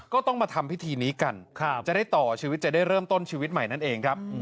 ก็ต้องมาทำพิธีนี้กันจะได้ต่อชีวิตจะได้เริ่มต้นชีวิตใหม่นั่นเองครับ